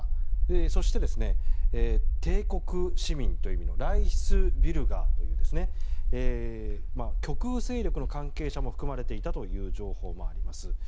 そして、帝国市民といういみのライヒスビュルガーという極右勢力の関係者も含まれていたという情報もあります。